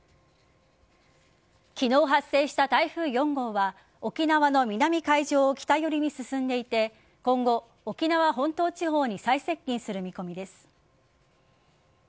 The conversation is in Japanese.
昨日発生した台風４号は沖縄の南海上を北寄りに進んでいて今後、沖縄本島地方に最接近する見込みです。